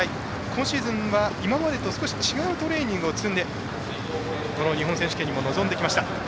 今シーズンは今までと少し違うトレーニングを積んで日本選手権に臨んできました。